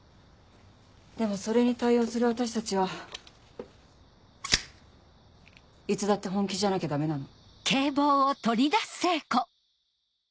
でもそれに対応する私たちはいつだって本気じゃなきゃダメなの。